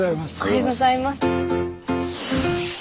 おはようございます。